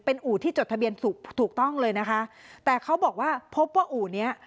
เป็นอู่ที่จดทะเบียนสุขถูกต้องเลยนะคะแต่เขาบอกว่าพบว่าอู่เนี้ย